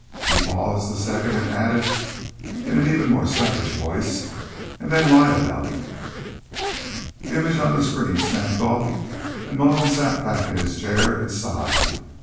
He paused a second and added, in an even more savage voice, "And then lie about it!" The image on the screen snapped off, and Malone sat back in his chair and sighed.